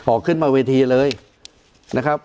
ขึ้นมาเวทีเลยนะครับ